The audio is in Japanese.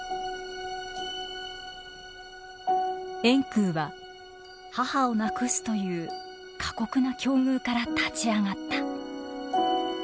円空は母を亡くすという過酷な境遇から立ち上がった。